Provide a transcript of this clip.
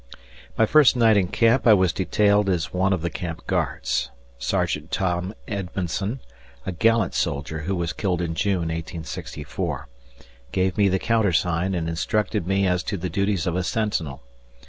My first night in camp I was detailed as one of the camp guards. Sergeant Tom Edmonson a gallant soldier who was killed in June, 1864 gave me the countersign and instructed me as to the duties of a sentinel.